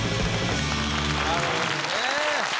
なるほどね。